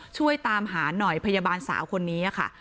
ช่วยตามหาหน่อยพยาบาลสาวคนนี้ค่ะ